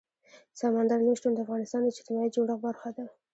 سمندر نه شتون د افغانستان د اجتماعي جوړښت برخه ده.